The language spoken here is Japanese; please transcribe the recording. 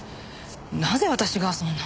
なぜ私がそんな。